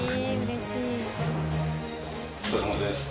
お疲れさまです。